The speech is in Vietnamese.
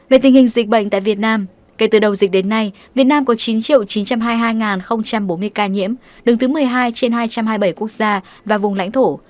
về tình hình dịch bệnh tại việt nam kể từ đầu dịch đến nay việt nam có chín chín trăm hai mươi hai bốn mươi ca nhiễm đứng thứ một mươi hai trên hai trăm hai mươi bảy quốc gia và vùng lãnh thổ